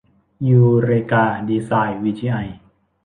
ยูเรกา ดีไซน์ วีจีไอ